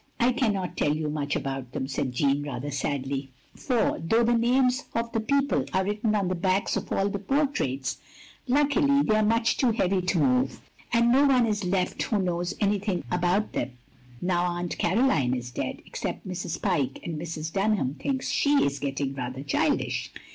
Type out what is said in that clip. "I cannot tell you much about them," said Jeanne, rather sadly, "for though the names of 204 THE LONELY LADY the people are written on the backs of all the por traits, luckily, they are much too heavy to move. And no one is left who knows anything about them now Atint Caroline is dead, except Mrs. Pyke, and Mrs. Dunham thinks she is getting rather childish.